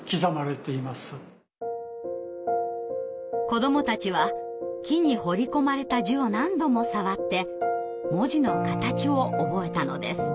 子どもたちは木に彫り込まれた字を何度も触って文字の形を覚えたのです。